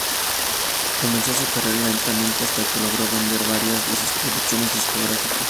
Comenzó su carrera lentamente, hasta que logró vender varias de sus producciones discográficas.